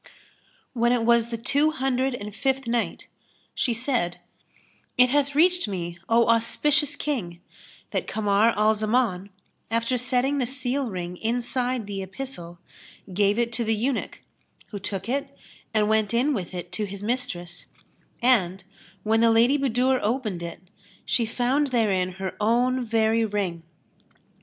When it was the Two Hundred and Fifth Night, She said, It hath reached me, O auspicious King, that Kamar al Zaman, after setting the seal ring inside the epistle, gave it to the eunuch who took it and went in with it to his mistress; and, when the Lady Budur opened it, she found therein her own very ring.